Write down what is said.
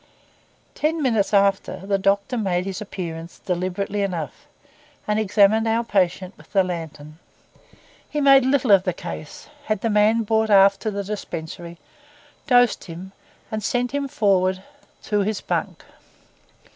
Ten minutes after the doctor made his appearance deliberately enough and examined our patient with the lantern. He made little of the case, had the man brought aft to the dispensary, dosed him, and sent him forward to his bunk.